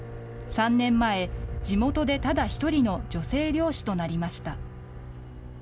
３年前、地元でただ一人の女性漁師となりました。